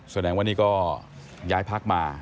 แสดงว่านี่ก็ย้ายพักมา